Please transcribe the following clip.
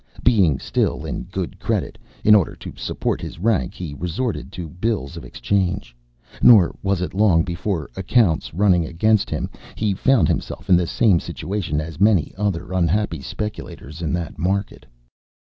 Being still in good credit, in order to support his rank he resorted to bills of exchange; nor was it long before, accounts running against him, he found himself in the same situation as many other unhappy speculators in that market.